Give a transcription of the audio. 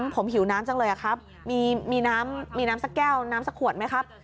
ผมหิวน้ำจังเลยครับมีน้ำมีน้ำสักแก้วน้ำสักขวดไหมครับ